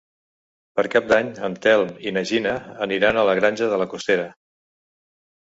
Per Cap d'Any en Telm i na Gina aniran a la Granja de la Costera.